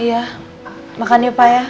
iya makan yuk pak ya